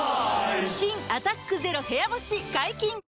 新「アタックＺＥＲＯ部屋干し」解禁‼